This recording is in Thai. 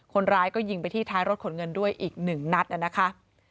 คนร้ายก็ยิงไปที่ท้ายรถขนเงินด้วยอีกหนึ่งนัดนะคะ